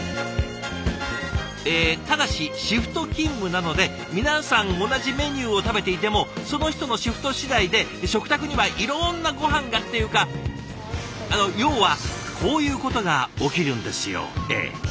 えただしシフト勤務なので皆さん同じメニューを食べていてもその人のシフト次第で食卓にはいろんなごはんがっていうか要はこういうことが起きるんですよええ。